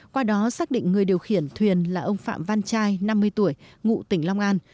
qua đó xác định người điều khiển thuyền là ông phạm văn trai năm mươi tuổi ngụ tỉnh long an